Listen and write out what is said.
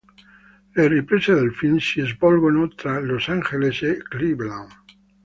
Le riprese del film si svolgono tra Los Angeles e Cleveland.